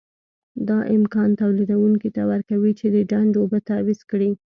دا امکان تولیدوونکي ته ورکوي چې د ډنډ اوبه تعویض کړي.